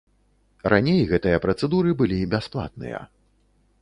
Раней гэтыя працэдуры былі бясплатныя.